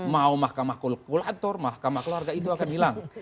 mau mahkamah kolkulator mahkamah keluarga itu akan hilang